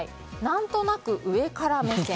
何となく上から目線。